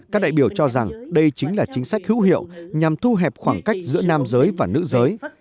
các đại biểu cho rằng đây chính là chính sách hữu hiệu nhằm thu hẹp khoảng cách giữa nam giới và nữ giới